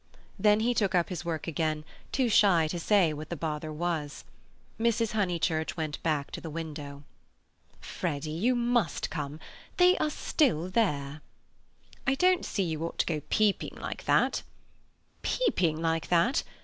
Then he took up his work again, too shy to say what the bother was. Mrs. Honeychurch went back to the window. "Freddy, you must come. There they still are!" "I don't see you ought to go peeping like that." "Peeping like that!